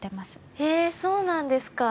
へえそうなんですか。